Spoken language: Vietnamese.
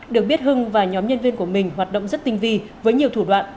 được biết hưng và nhóm nhân viên của mình hoạt động rất tinh vi với nhiều thủ đoạn